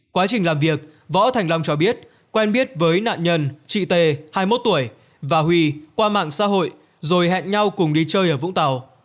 quá trình làm việc võ thành long cho biết quen biết với nạn nhân chị t hai mươi một tuổi và huy qua mạng xã hội rồi hẹn nhau cùng đi chơi ở vũng tàu